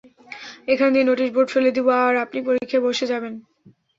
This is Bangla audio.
এখান দিয়ে নোটিশ বোর্ড ফেলে দিবো, আর আপনি পরীক্ষায় বসে যাবেন।